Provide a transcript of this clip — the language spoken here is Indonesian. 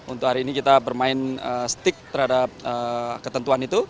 untuk hari ini kita bermain stick terhadap ketentuan itu